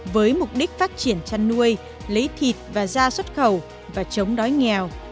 với mục đích phát triển chăn nuôi lấy thịt và da xuất khẩu và chống đói nghèo